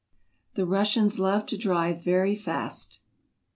The Russians love to drive very fast.